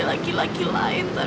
apa aku sanggup melalui semua ini